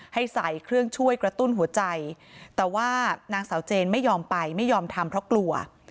ให้ใส่เครื่องช่วยกระตุ้นหัวใจแต่ว่านางสาวเจนไม่ยอมไปไม่ยอมทำเพราะกลัว